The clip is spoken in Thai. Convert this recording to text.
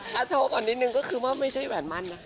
ถ้าโชว์ก่อนนิดนึงก็คือว่าไม่ใช่แหวนมั่นนะ